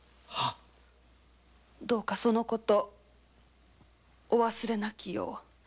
どうかその事お忘れなきよう。